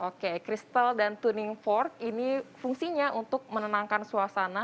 oke kristal dan tuning fork ini fungsinya untuk menenangkan suasana